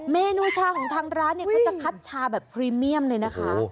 เมนูชาของทางร้านเนี่ยเขาจะคัดชาแบบพรีเมียมเลยนะคะ